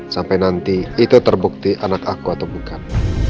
sampai nanti itu terbukti anak aku atau bukan